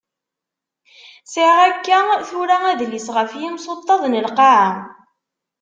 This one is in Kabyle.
Sεiɣ akka tura adlis ɣef yimsuṭṭaḍ n lqaεa.